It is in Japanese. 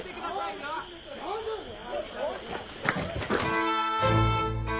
大丈夫だよ！